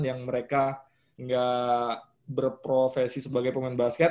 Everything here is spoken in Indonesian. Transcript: yang mereka nggak berprofesi sebagai pemain basket